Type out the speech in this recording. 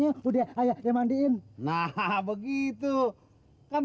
nanti udah ayah mandiin nah begitu kan